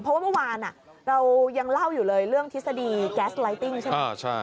เพราะว่าเมื่อวานเรายังเล่าอยู่เลยเรื่องทฤษฎีแก๊สไลติ้งใช่ไหม